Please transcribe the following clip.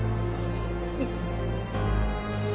うん。